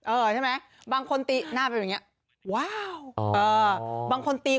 ใช่ไหมบางคนตีหน้าเป็นแบบเนี้ยว้าวเออบางคนตี